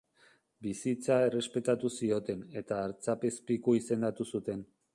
Bizitza errespetatu zioten, eta artzapezpiku izendatu zuten.